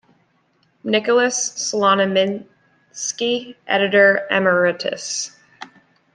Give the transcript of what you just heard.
Nicolas Slonimsky, Editor Emeritus.